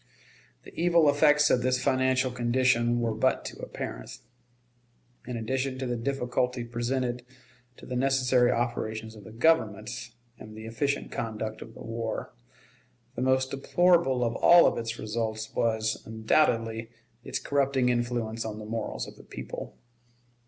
The evil effects of this financial condition were but too apparent. In addition to the difficulty presented to the necessary operations of the Government, and the efficient conduct of the war, the most deplorable of all its results was, undoubtedly, its corrupting influence on the morals of the people.